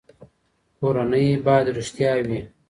کورنۍ باید رښتیا وي.